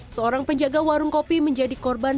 seorang penjaga warung kopi menjadi korban